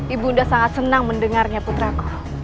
ibu nda sangat senang mendengarnya putriku